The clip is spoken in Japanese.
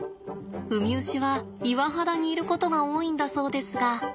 ウミウシは岩肌にいることが多いんだそうですが。